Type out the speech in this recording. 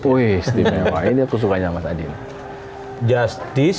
wih ini aku sukanya mas adi